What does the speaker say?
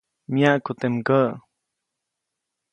Myaʼku teʼ mgäʼ.